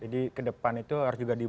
jadi kita harus memohon sebawanya ada menteri